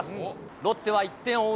ロッテは１点を追う